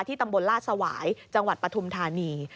ตำบลลาดสวายจังหวัดปฐุมธานี